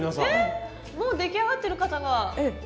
えっもう出来上がってる方が。